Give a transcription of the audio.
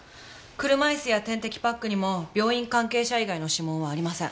車いすや点滴パックにも病院関係者以外の指紋はありません。